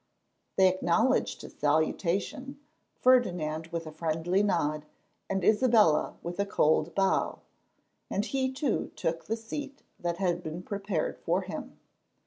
They acknowledged his salutation, Ferdinand with a friendly nod and Isabella with a cold bow, and he, too, took the seat that had been prepared for him.